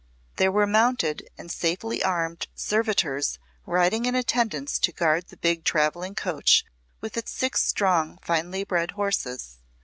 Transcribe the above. There were mounted and safely armed servitors riding in attendance to guard the big travelling coach with its six strong, finely bred horses.